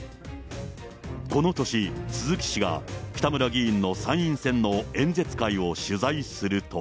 この年、鈴木氏が北村議員の参院選の演説会を取材すると。